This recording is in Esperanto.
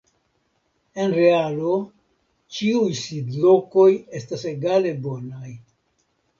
En realo ĉiuj sidlokoj estas egale bonaj.